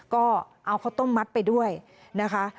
ก็เอาข้าวต้มมัดไปด้วยนะคะ